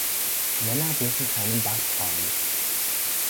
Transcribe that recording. Männer dürfen keinen Bart tragen.